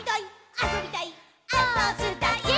「あそびたいっ！！」